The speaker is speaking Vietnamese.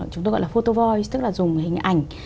chúng tôi gọi là photo voice tức là dùng hình ảnh